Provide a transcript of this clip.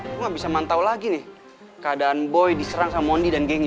gue gak bisa mantau lagi nih keadaan boy diserang sama mondi dan geng